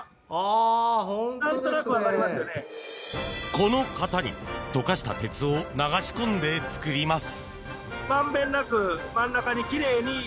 この型に、溶かした鉄を流し込んで作ります。